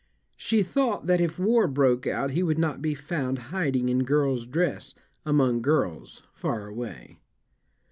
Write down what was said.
She thought that if war broke out he would not be found hiding in girl's dress, among girls, far away.